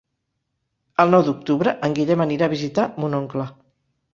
El nou d'octubre en Guillem anirà a visitar mon oncle.